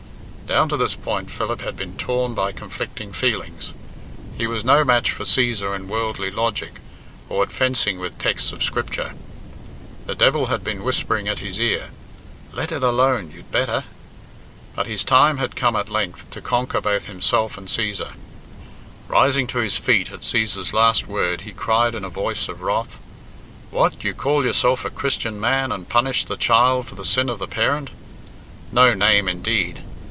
Down to this point Philip had been torn by conflicting feelings. He was no match for Cæsar in worldly logic, or at fencing with texts of Scripture. The devil had been whispering at his ear, "Let it alone, you'd better." But his time had come at length to conquer both himself and Cæsar. Rising to his feet at Cæsar's last word, he cried in a voice of wrath, "What? You call yourself a Christian man, and punish the child for the sin of the parent! No name, indeed!